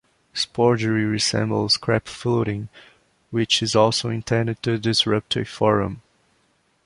Sporgery resembles crapflooding, which is also intended to disrupt a forum.